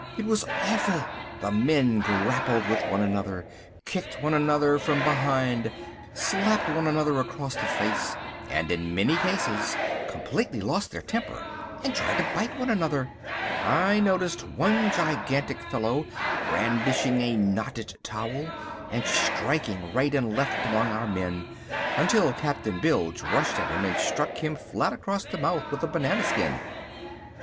It was awful. The men grappled with one another, kicked one another from behind, slapped one another across the face, and in many cases completely lost their temper and tried to bite one another. I noticed one gigantic fellow brandishing a knotted towel, and striking right and left among our men, until Captain Bilge rushed at him and struck him flat across the mouth with a banana skin.